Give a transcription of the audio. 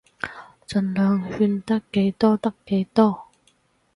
儘量勸得幾多得幾多